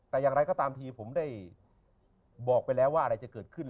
แต่อย่างไรก็ตามทีผมได้บอกไปแล้วว่าอะไรจะเกิดขึ้น